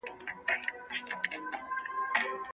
پیغمبر ص به حق غوښتلو ته هڅول.